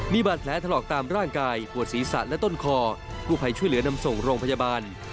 มีบาดแผลถลอกตามร่างกายปวดศีรษะและต้นคอกู้ภัยช่วยเหลือนำส่งโรงพยาบาล